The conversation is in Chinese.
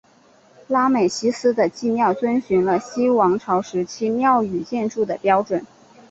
拉美西斯的祭庙遵循了新王朝时期庙与建筑的标准。